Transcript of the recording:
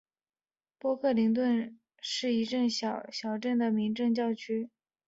波克灵顿是英格兰东约克郡的一座小镇和民政教区。